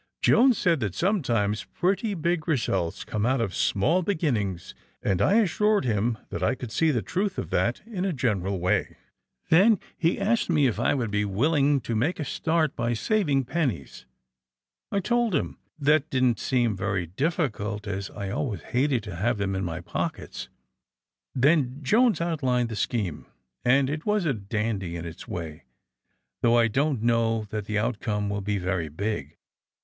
Jones said that sometimes pretty big results came out of small beginnings, and I assured him that I could see the truth of that in a general way. Then he 158 THE SUBMAEINE BOYS asked me if I would be willing to make a start by saving pennies. I told him that that didn't seem very difficnlt as I always hated to have them in my pockets. Then Jones outlined the scheme, and it was a dandy in its way, though I don 't know that the outcome will be very big.